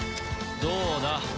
どうだ？